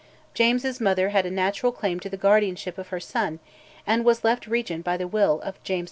James's mother had a natural claim to the guardianship of her son, and was left Regent by the will of James IV.